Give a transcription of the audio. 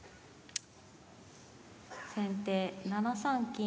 先手７三金。